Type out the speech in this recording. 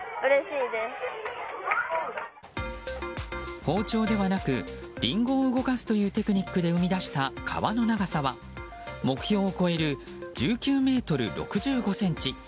包丁ではなくリンゴを動かすというテクニックで生み出した皮の長さは目標を超える１９ｍ６５ｃｍ。